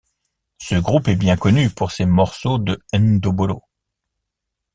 Ce groupe est bien connu pour ses morceaux de ndombolo.